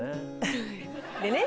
でね